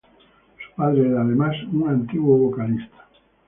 Su padre era además un antiguo vocalista.